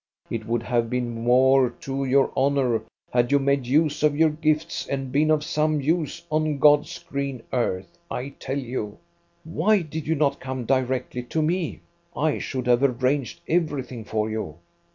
It would have been more to your honor had you made use of your gifts and been of some use on God's green earth, I tell you. Why did you not come directly to me? I should have arranged everything for you.